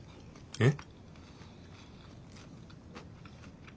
えっ？